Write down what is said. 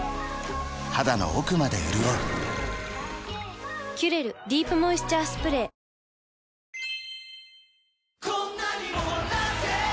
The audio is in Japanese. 肌の奥まで潤う「キュレルディープモイスチャースプレー」幅４０こんな狭さにも！